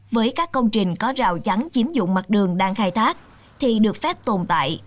với các công trình có rào chắn chiếm dụng mặt đường đang khai thác thì được phép tồn tại